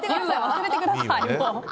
忘れてください！